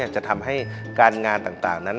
จะทำให้การงานต่างนั้น